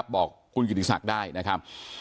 บอกคุณกิติศักดิ์ได้นะครับ